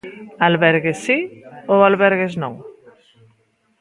¿Albergues si ou albergues non?